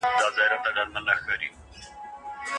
په ناحقه مال خوړل په خېټه کي د اور اچول دي.